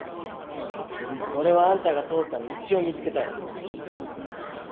俺はあんたが通った道を見つけたよ。